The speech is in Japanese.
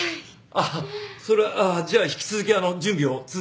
あっそれはじゃあ引き続き準備を続けます。